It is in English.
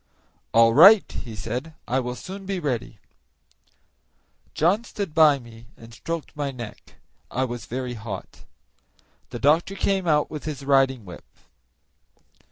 "All right," he said; "I will soon be ready." John stood by me and stroked my neck; I was very hot. The doctor came out with his riding whip.